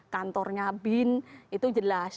kantornya bin itu jelas